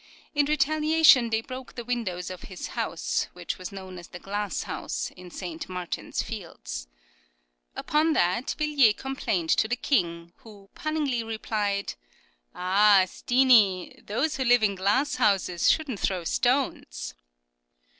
In retalia tion they broke the windows of his house, which was known as the Glasshouse, in St. Martin's fields. Upon that Villiers complained to the king, who punningly replied, " Ah ! Steenie, those who live in glass houses shouldn't throw stones."